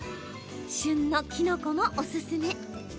旬のきのこもおすすめ。